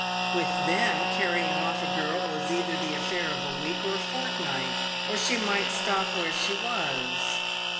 "With them, carrying off a girl was either the affair of a week or a fortnight, or she might stop where she was.